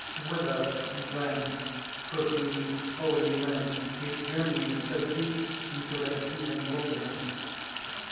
Whither, then, could these holy men be journeying so deep into the heathen wilderness?